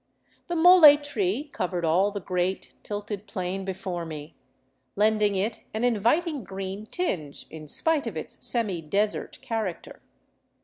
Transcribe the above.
The molle tree covered all the great, tilted plain before me, lending it an inviting green tinge in spite of its semi desert character.